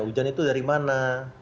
hujan itu dari mana